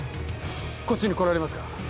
こっちに来られますか？